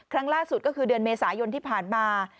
ครั้งล่าสุดก็คือเดือนเมษายนที่ผ่านมา